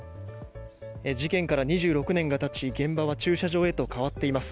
事件から２６年が経ち現場は駐車場へと変わっています。